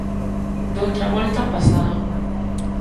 Doutra volta o pasado.